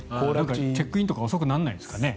チェックインとか遅くならないんですかね。